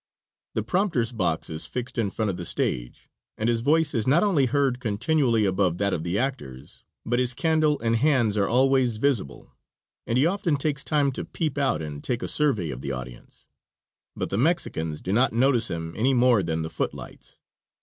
The prompter's box is fixed in front of the stage, and his voice is not only heard continually above that of the actors, but his candle and hands are always visible, and he often takes time to peep out and take a survey of the audience; but the Mexicans do not notice him any more than the footlights.